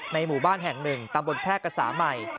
หมู่บ้านแห่งหนึ่งตำบลแพร่กษาใหม่